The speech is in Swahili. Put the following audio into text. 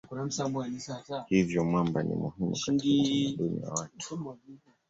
Hivyo mwamba ni muhimu katika utamaduni wa watu.